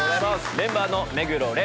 メンバーの目黒蓮